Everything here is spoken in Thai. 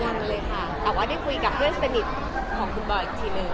ยังเลยค่ะแต่ว่าได้คุยกับเพื่อนสนิทของคุณบอยอีกทีนึง